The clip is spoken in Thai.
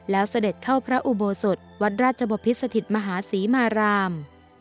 แล้วเสด็จเข้าพระอุโบสถวัดราชบพิษสถิตมหาศรีมาราม